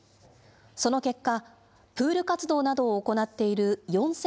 その結果、プール活動などを行っている４０００